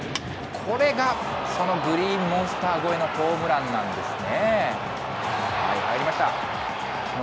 これが、そのグリーンモンスター越えのホームランなんですね。